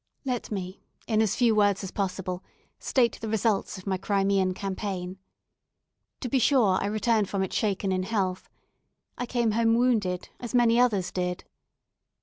Let me, in as few words as possible, state the results of my Crimean campaign. To be sure, I returned from it shaken in health. I came home wounded, as many others did.